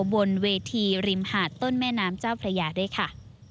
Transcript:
บนเวทีริมหาดต้นแม่น้ำเจ้าพระยาด้วยค่ะ